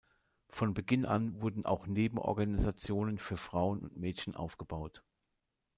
Von Beginn an wurden auch Nebenorganisationen für Frauen und Mädchen aufgebaut.